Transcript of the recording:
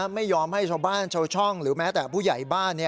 ไม่ยอมให้ชาวบ้านชาวช่องหรือแม้แต่ผู้ใหญ่บ้าน